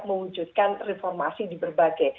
mengujudkan reformasi di berbagai